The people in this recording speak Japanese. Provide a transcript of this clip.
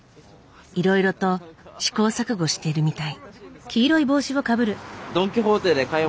いろいろと試行錯誤してるみたい。